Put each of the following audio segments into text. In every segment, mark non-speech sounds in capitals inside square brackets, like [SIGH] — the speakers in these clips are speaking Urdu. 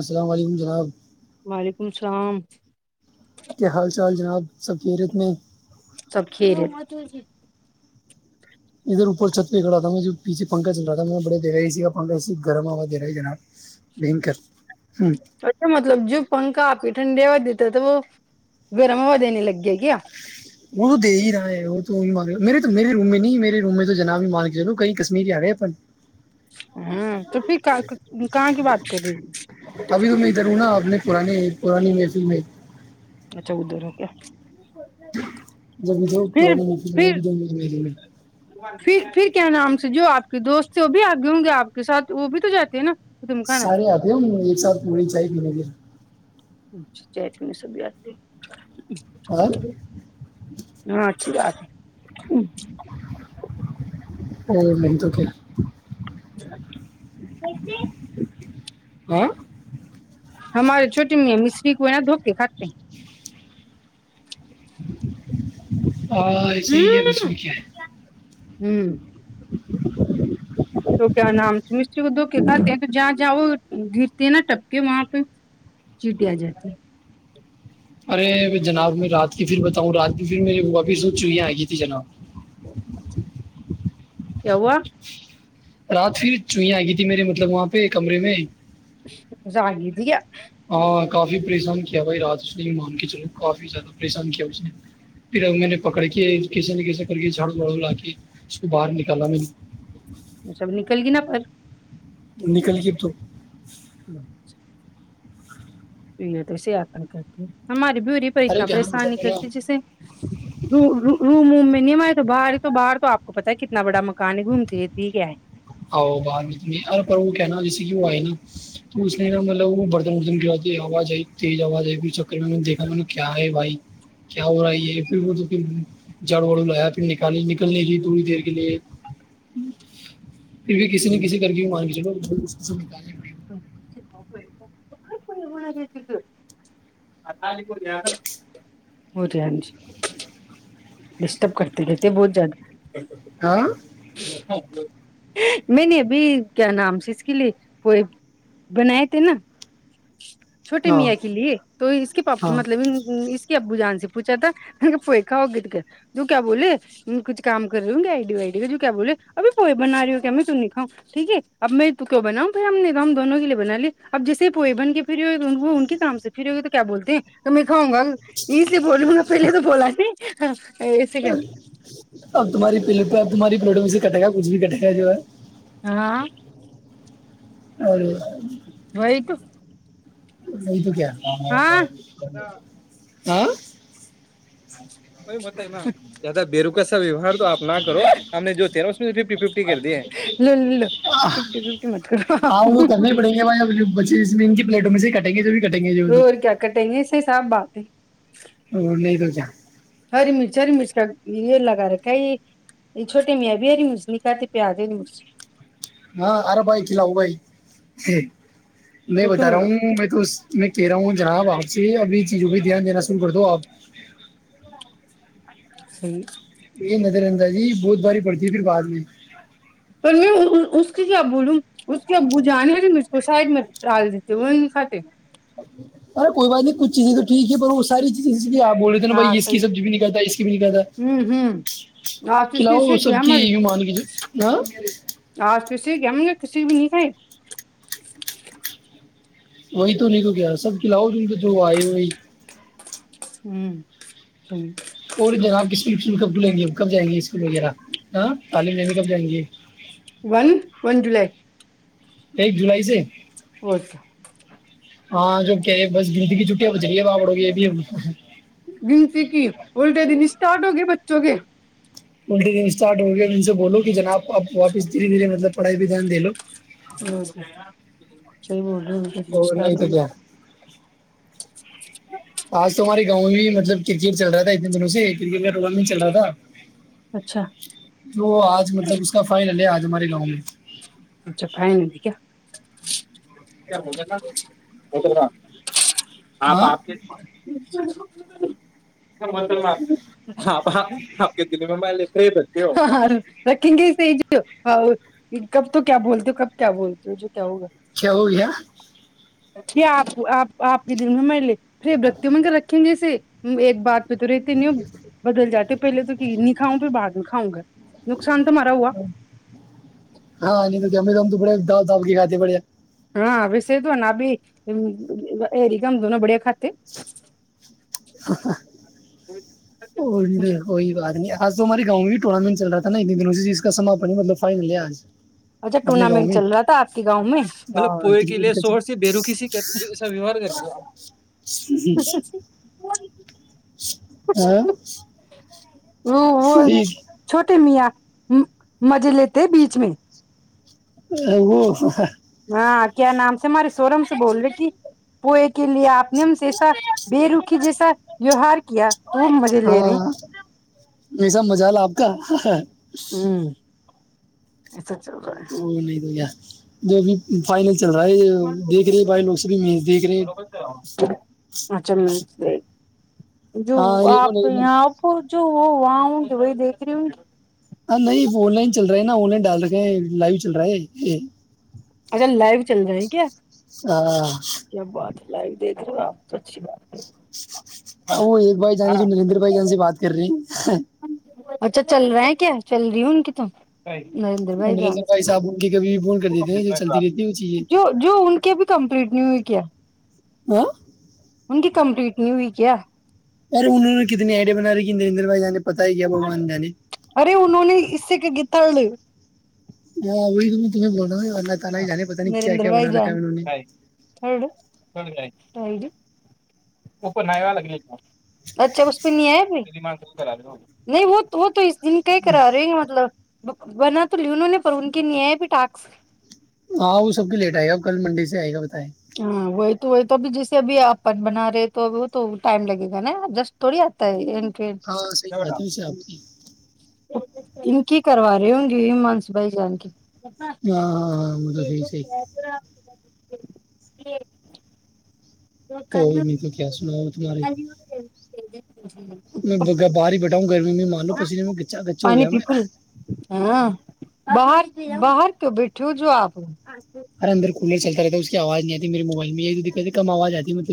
السلام علیکم جناب شام [UNINTELLIGIBLE] کیا حال چال جناب سفیرت میں سب کھی رہے ادھر اوپر چھت پہ کھڑا تھا میں جو پیھے پنکھ چل رہا تھا میں نے بڑے دے رہ س کا پنا گرم آا د رہ ج بن کر اچھا مطلب جو پن ک آپی ٹنڈی ہوا دیتے تو وہ گرم ہوا د نہیں لگے ہے گ کیا وہ تو دے ہی رہا ہے وہ تو مان میرے تو میرے رومے نہیں میرے رومے تو جناب نہیں مان کے چلو کئی کشمییرری ہی آ گئے اپن ہمم تو پھر کہاں کی بات کر رہی ابھی تو میں ادھر ہوں نا آپ اپنے پرانی پرانی محفللم ہے اچھا ادھرو کیا جب جو پھر پرانا مک پھر م پھر پھر کیا نام جو آپ کے دوست تھے وہ بھی آگے ہوں گے آپ کے ساتھ وہ بھی تو جاتے ہیں نا تم کہاں سارے آے ہم ایک ساتھ پوی چائے پینے پھر جیت میں سب آدتے اور ہاں چ آ ہ اور بن توک مسے آ ہمارے چھوٹی می مسستری کو ہے نا دوکا خاتتے [INAUDIBLE] اور ایسے ہی ہے اس میں کیا ہے ہوں تو کیا نام س مری کو دو کے ساتھ تو جہاں جہاں وہ گرتے ہیں نا ٹپ کے وہاں پہ چیٹیا جاتی ارے جناب میں رات کی پھر بتاؤں رات کی پھر میرے با بھی سوچ چئیی آئے گی تھی جناب کہ ہوا رات پھر چوہیں آ گئی تھی میرے مطلب وہاں پہ کمرے میں زاگ دیا ہاں کافی پریشان کیا بھائی رات اس نے مان کے چلو کافی زیادہ پریشان کیا اس نے پھر ا میں نے پکڑ کے کسے نہ کیسے کر کے جھاڑو بڑو لا کے اس کو باہر نکالا میں نے وہ سب نکل گی نا پر نکل گی ا تو بچا ا تو سےی آپنتیے ہماری ی پر ارے اتنا کیا نا پریشان مطلب نہیں ہے نا کرتے جیسے ر روم ووم میں نم آ تو باہر ہی تو باہر تو آپ کو پتا ہے کتنا بڑا مکان ہے گھومتی رہتی کیا ہے آ بر وہ کہنا جیسے کہ وہ آئے نا تو اس نے نا مطلب برتن وتن کیا آواز آئی تیز آواز آئی پ چکر میں نے دیکھا نے کیا ہے بھائی کیا ہو رہا ہے پھر وہ تو جڑ واڑو لایا پھر نکالی نکلنے کی تھوڑی دیر کے لیے پھر بھی کسی نے کسی کر کے وہ مار چلو [INAUDIBLE] کوئی ہونا رہتیک آتا نہیں کو جیا کر وہ ج ہاں جی ڈسٹرب کرتے رہتے ہیں بہت زیادہ ہاں اچچ ہاں میں نے ابھی کیا نام سے اس کے لیے پ بنائے تھے نا چھوٹے ہاں میاں کے لیے تو اس کے پاپ ہاں مطلب اس کے ب جان س پوچھا تھا بویکھا ہوگی ت کیا جو کیا بولے کچھم کری گی آئیڈیو وئیڈی جو کیا بولے ابھی پوئے بنا رہی ہو کیا میں ت نہیںکھاؤں ٹھیک ہے اب میں کی بناؤں پھر ہم نے ہم دونوں کے لیے بنا لیے اب جیسے پوہ بن کے فھرری ہوئے ان کے کام سے فھر ہوئے تو کیا بولتے ہیں تو میں کھاؤں گا یہ سے بولوں گا پہلے تو بولا نہیں ہاں اب تمہاری پ تمہاری پلیٹو سے کٹ گا کچ بھی کٹے گا جو ہے ہاں اور وہی تو نہیں تو کیا ہاں آ وہئی مت ہے میں ہ بیرے لو لو ففٹی ففٹی مت ہاں ان کو کرو کرنے پڑیں گے ب بچے ان کی پلیٹوں میں سے کٹیں گے جو بھی کٹیں گےل اور کیا کٹیں گے ایسے صاف بات ہے نہیں تو کیا ہری مرچ ہری مرچ کا یہ یہ لگا رکھا یہ چھوٹے میاں بھی ہری مرچ نہیں کاتی پیاز ہری مرچ ہاں آرے بھائی کھلاؤ بھائی میں پوچھو بتا رہا ہوں میں تو میں کہہ رہا ہوں جناب آپ سے یہ ابھی چیزوں بھی دھیان دےا کر دو آپ صی یہ نظر اندازی بہت باری پڑتی ہے پھر بعد میں پر میں اس کی کیا بولوں اس کے ب جانے مجھ کو سائڈ میں ڈال دیتے وہ کھاتے ارے کوئی بات نہیں کچھ چیزیں تو ٹھیک ہے پر وہ ساری چیزیں اس آپ بول رہے تھے نا ہاں بھائی اس کی صحیح سبزی بھی نکلتا اس کی بھی نہیں ہوں ہوں آج کہالتا تو اس نے کلاؤ وہ سے کیا سب کی ہمارے مان کی ہ کسی گمیں گے کسی بھی نہیں کائے وہی تو نہیں کو کیا سب کھلاؤ ج کو جو آئے وہی ہوں س اور جنابپ کی اسکولک کب کھلیں گے کب جائیں گے اسکول وغیرہ ہ تعلیم لیں گے کب جائیں گے ون ون جولائی ایک جولائی سے اوکا ہاں جو کہ بس گندگی جٹی ہے وہ جلیے با بڑ گی یہ بھی ہم کو سے گنتی کی وہٹا د اسٹارٹ ہوگے بچو گ الٹے دن اسٹارٹ ہو گیا ان سے بولو کہ جناب آپ واپس دھیرےھیے مطلب پڑھائی بھیدان دلو ا ج سی بول رہے ہو الٹے دن اور نہیں اسٹارٹ تو ہو گئے کیا آج تو ہماریے گاؤں ہی میں مطلب کرکٹ چل رہا تھا اتنے دنوں سے کرکٹ میں ر نہیں چل رہا تھا اچھا تو آج مطلب اس کا فائنل ہے آج ہم ہمارے گاؤں میں اچھا فائنلی کیا م گا م گ آپ ہاں آپ کے ج آپپ آپ کے دللی میںبل رک گ سج تو کیا بولتے ہو کب کیا بولتے ہو جو کیا ہوگا چ ہوو بھی ہے کیا آپ آپ آپ کے دن میں م لے پھر برکتی من کر رکھیں گے اسے ایک بات پ تو رہتے نہیں ہو بدل جاتے پہلے تو کہ نہیں کاؤں پھر بعد میں کاؤں گا نقصان تو مارا ہوا ہاں نہیں تو گ گم تو پڑے د دھابکی کاتی پڑے ہاں ویسے توو نہا بھی اری گم د نا بڑیا کھات اور تو کوئی بات نہیں آ آج تو ہمارے گاؤں بھی ٹورنامنٹ چ رہا تھاا ات دن سے جس کا سان مطلب فائنل ہے آج اچھا اپنے گاؤں ٹورنامنٹ میں چل رہا تھا آپ کے گاؤں میں مطلب ہاں پوئے کے لیے کرکٹ شوہر کا سے بےیروکی سے ایا ووار کر کے ب ہ ہ وہ چھوٹی میاں مزے لیتے بیچ میں ا وہو ہاں کیا نام سے ہمارے سوورم سے بول رہے کہ پوئے کے لیے آپ نے ہم جیسا بے رکھی جیسا ویوہار کیا [INAUDIBLE] لے رہے ہاں ہیں یہسب مز ل آپ کا خ ہے ہوں ایسا چل رہا او نہیں تو کیا جوب فائنل چل رہا ہے دیکھ رہے بائی لوگ سے بھی دیکھ رہے ہے اچھا میں جو ہاں ارے وہ آپ نہیں یہاں آپ جو وہ وہاں ہں تو وہی دیکھ رہی ہوں ہاں نہیں آن لائن چل رہا ہے نا آن لائن ڈال رکھے ہیں لائو چل رہا ہے اچھا لائیو چل رہا ہے کیا [UNINTELLIGIBLE] لائو دیکھ رہے ہو آپ تو اچھی بات ہے وہ ایک بھائی جانی جو نریدر بھائی جانی سے بات کر رہی ہیں اچھا چل رہا ہے کیا چل رہی ہوں ن کت نریندر بھائی جان نریندر سے صاحب ان کی کبھی بھی فون کر دیتے ہیں جو چلتی رہتی ہے وہ چیزیں جو ان کے بھی کمپلیٹ نیو کیا ہ ان کی کمپلیٹ نہیں ہوئی کیا یار انہ نے کتنی آئیڈیا بنا رہی کہ نریندر بھائی جان ارے انہوں نے اس سے گیت [UNINTELLIGIBLE] آ وہ ت میں تمیں بولنا ہے نرندر بھائی جان انہوں نے تھ اچھا دن کیا کرا رہے ہیں مطلب بنا تو لونو نے پر ان کی نہیں ہے بھی ٹاس ہاں وہ سب کے لیٹ آئے گا کل منڈی سے آئے گا بتائیں ہاں وہئی تو تو اب جیسے اب آپ بنا رہے تو وہ تو ٹائم لگے گا ناب جسٹ تھوڑی آتا ہے کے ہاں صحی بات ہے ویسے آپ کی ان کی کروا رہی ہوں گی مانس بھائی جان کی ہاں ہاں ہاں وہ تو سحی صحی جی ج اور نہیں تو کیا سناؤ تمہاری ج جی میں باہر ہی بیٹھاؤں گھر پانی پیکول ہاں باہر باہر تو بیٹھوں جو آپ ہرےدر کھلے چلتے تا ہے اس آواز نہیں آتی مبائل میں یہ دقت ہےمواز آتی مجے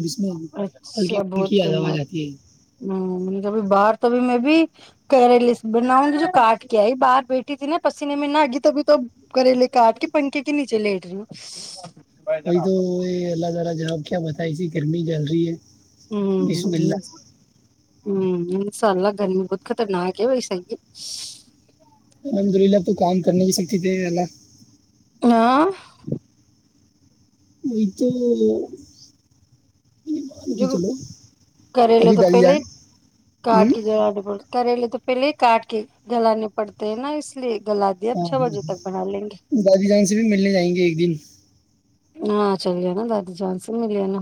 اچھا بہت کمات آتی ہے ہبھی باہر تبھی میں بھی کریلے بناؤں گی جو کاٹ کے آئی باہر بیٹھی تھی نا پسینے میں نہ آگی تبھی تو کریلے کاٹ کے پنکھے کے نیچے لیٹ رہی ہ بئی تو یہ اللہ تالا جاب کیا بت اسی گرمی جل رہی ہے بسم ہوں اللہ ہوں انشاء اللہ گرمی خود خطرناک ہے بیساے الحمد للہ اب تو کام کرنے کی سکتی تھے اللہ ہاں یہ تو یہ مان کے چلو کریل ابھی تو دادی پہلے ہی جان ہوں کاٹ کے ج ب کریلے تو پہلے کاٹ کے گلانے پڑتے ہیں نا اس لیے گلا دیا ہاں چھ ہاں بجے تک بنا لیں گے ہ گادی جان سے بھی ملنے جائیں گے ایک دن ہاں چل ج نا داد جان سےن مل جانا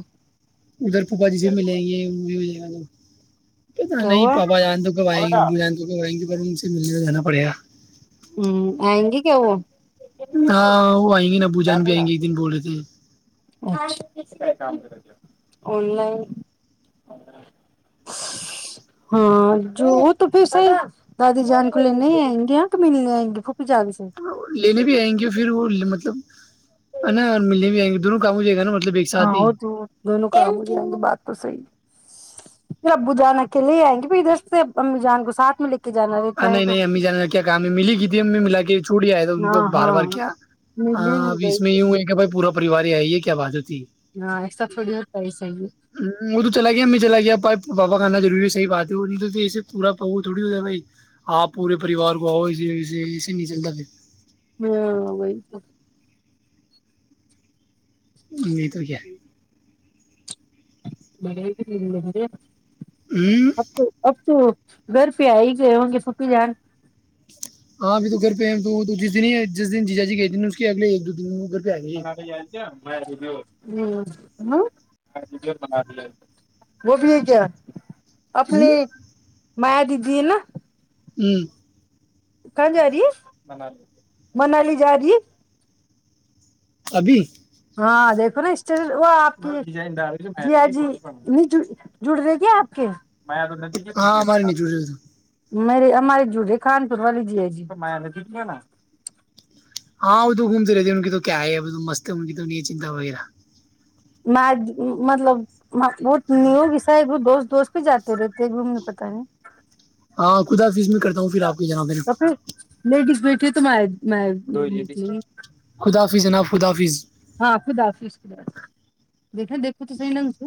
ادھر پوپا جی سے ملیں گے یہ ہو جیں گے ہ پ کیا نہیں ہوا پا جان تو کب آیں گے ابو جان تو کبائیں گے اگر ان سے ملنے میں جانا پڑے گا ہوں آئیں گی کیا وہ ہاں وہ آئیں گے نا بو جان بھی آئیں گے ایک دن بول رہے تھے آن لائن ہاں جو وہ تو پھر سے دادی جان کو لے نہیں آئیں گے اں تو ملنےئیں گی پھوپی جگی سے لینے بھی آئیں گے پھر وہ مطلب نا اور ملنے بھی آئیں گے دونوں کم جائے گا مطلب ایک ہاں ساتھ ہی ہو تو دونوں کا بات تو صحی ہے پھر ابو جان اکیلے ہی آئیں گے پھر ادھر سے امبو جان کو ساتھ میں لے کے جانا ہ رہتا ہے نہیں تو نہیں امی جانے کیا کام ہے ملی کی تھی امی ملا کے چھوڑی آئے تو ان کو ہاں بار بار ہاں کیا میں لے اب لوں گئی اس میں تو ی ہو ہے کہ بھائی پورا پریواری آئی ہے کیا بات ہو ہے ہ ہاں ایسا تھوڑی ہوتا ہے صحیح وہ تو چلا گیا میںیں چلا گیا پپ بابا گاننا ضوری ہے صح بات ہے تو اسے پورا تھوڑی ہو ج ہے بائی آپ پورے پریوار کو آؤ ایے وے ایے نہیں چلتا پھر ہاں وہی تو نہیں تو گ ہے برے ہوں اب اب برف ہی آ ہی گئے ہوں گے پکی جان ہاں ابھی تو گھر پہ تو جس د ہی جس دن جی جا جی گئے اس کے اگل دو پہ آ گئے سبے یا کیایا م ہ وہ بھی ہے کیا اپنی مائ دیدی نا ہوں کہاں جا رہی ہے منالی جا رہی ہے ابھی ہاں دیکھو نا اسٹی وہ آپ کی کیا جی جڑ رہے کیا آپ کے میں تو نتیجے پہ ہاں ہمارے دا نہیں چھوٹ رہے تو میرے ہمارے جٹے کان پور والی جی ہے جیا ہاں وہ تو گومتی رہتی ان کی تو کیا ہے تو مست ہے ان کی تو نہیں چنتا وغیرہ مد مطلب م بہت نیو بھیسار ایک دوست تو اس پ جاتے رہتے ہیں گومنے پتاہ نہیں ہاں خدا حافظ میں کرتا ہوں پھر آپ کے جناب ہے نا پھر لیڈیز بیٹے تو میں میں دو خدا حافظ جناب خدا حافظ ہاں خداف خا دیکھیں دیکھو تو صح ننگ سے